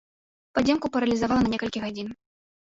Падземку паралізавала на некалькі гадзін.